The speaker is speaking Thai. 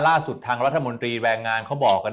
ล่าสุดทางรัฐมนตรีแรงงานเขาบอกกัน